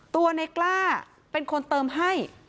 ตัวในกล้าเป็นคนเติมให้